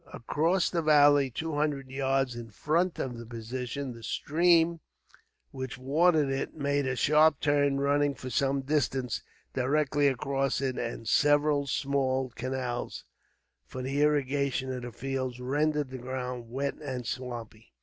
Across the valley, two hundred yards in front of the position, the stream which watered it made a sharp turn, running for some distance directly across it, and several small canals for the irrigation of the fields rendered the ground wet and swampy.